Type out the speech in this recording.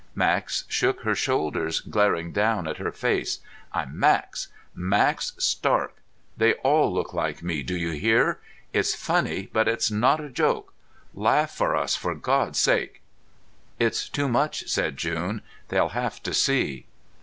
Max shook her shoulders, glaring down at her face. "I'm Max. Max Stark. They all look like me. Do you hear? It's funny, but it's not a joke. Laugh for us, for God's sake!" "It's too much," said June. "They'll have to see."